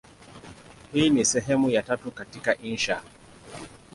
Hii ni sehemu ya tatu katika insha.